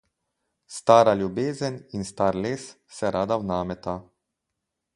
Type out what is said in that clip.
Stara ljubezen in star les se rada vnameta.